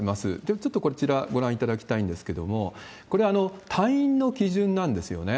ちょっとこちら、ご覧いただきたいんですけれども、これ、退院の基準なんですよね。